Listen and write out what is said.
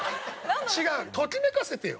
違うときめかせてよ。